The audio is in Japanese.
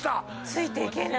ついていけない。